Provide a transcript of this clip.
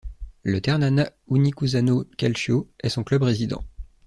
Le Ternana Unicusano Calcio est son club résident.